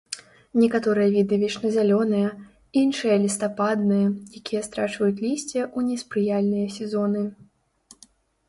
Некаторыя віды вечназялёныя, іншыя лістападныя, якія страчваюць лісце ў неспрыяльныя сезоны.